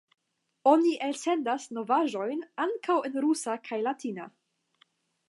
Oni elsendas novaĵojn ankaŭ en rusa kaj latina.